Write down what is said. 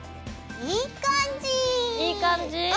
いい感じ！